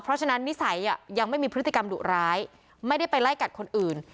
เพราะฉะนั้นนิสัยยังไม่มีพฤติกรรมดุร้ายไม่ได้ไปไล่กัดคนอื่น